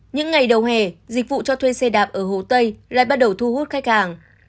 những ngày đầu hè dịch vụ cho thuê xe đạp ở hồ tây lại bắt đầu thu hút khách hàng